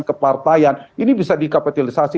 kepartaian ini bisa dikapitalisasi